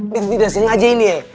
beto tidak sengaja ini ya